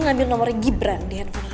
ngambil nomornya gibran di handphone aku